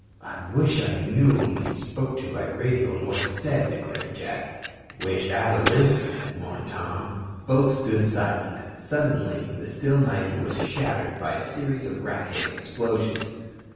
"I wish I knew whom he spoke to by radio and what he said," declared Jack. "Wish I'da listened," mourned Tom. Both stood silent. Suddenly the still night was shattered by a series of racketing explosions.